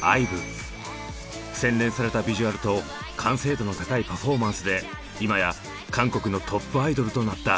洗練されたビジュアルと完成度の高いパフォーマンスで今や韓国のトップアイドルとなった。